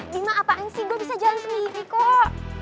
bim mak apaan sih gue bisa jalan sendiri kok